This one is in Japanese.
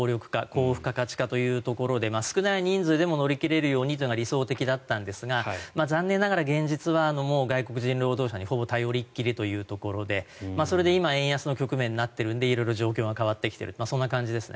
高付加価値化ということで少ない人数でも乗り切れるようにというのが理想だったんですが残念ながら現実は外国人労働者にほぼ頼り切りというところでそれで今円安の局面になっているので色々状況が変わってきているそんな感じです。